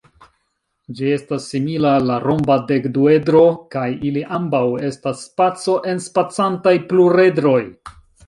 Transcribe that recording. Ĝi estas simila al la romba dekduedro kaj ili ambaŭ estas spaco-enspacantaj pluredroj.